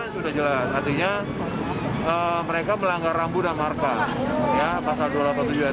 sudah jelas artinya mereka melanggar rambu dan markah ya pasal dua ratus delapan puluh tujuh dan satu